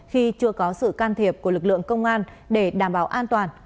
khi chưa có sự can thiệp của lực lượng công an để đảm bảo an toàn